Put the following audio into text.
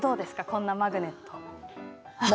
こんなマグネット。